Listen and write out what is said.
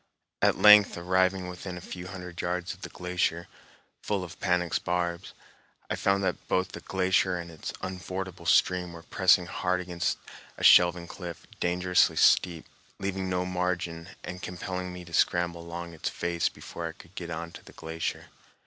At length arriving within a few hundred yards of the glacier, full of panax barbs, I found that both the glacier and its unfordable stream were pressing hard against a shelving cliff, dangerously steep, leaving no margin, and compelling me to scramble along its face before I could get on to the glacier.